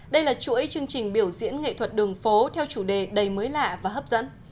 đây là chuỗi chương trình biểu diễn nghệ thuật đường phố theo chủ đề đầy mới lạ và hấp dẫn